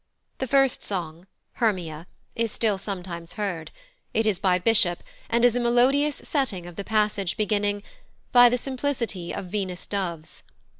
The first song (Hermia) is still sometimes heard; it is by Bishop, and is a melodious setting of the passage beginning "By the simplicity of Venus' doves."